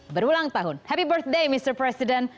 berulang tahun happy birthday mr president